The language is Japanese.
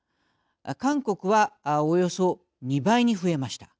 韓国はおよそ２倍に増えました。